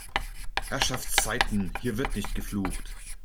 Herrschaftszeiten, hier wird nicht geflucht!